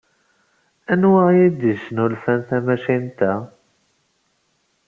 Anwa ay d-yesnulfan tamacint-a?